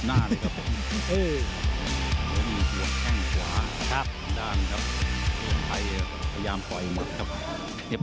ทางด้านครับพยายามปล่อยหมดครับ